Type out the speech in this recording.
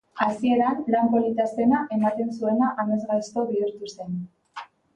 Hasieran lan polita zena ematen zuena amesgaizto bihurtu zen.